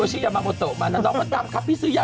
ชอบเต้นตาย